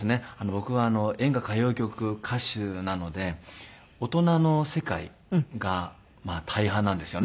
僕は演歌歌謡曲歌手なので大人の世界が大半なんですよね。